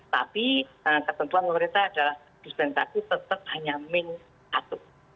tapi ketentuan pemerintah adalah dispensasi tetap hanya min satu